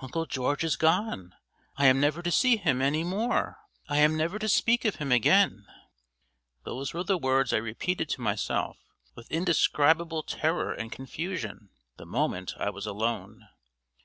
"Uncle George is gone. I am never to see him any more; I am never to speak of him again" those were the words I repeated to myself, with indescribable terror and confusion, the moment I was alone.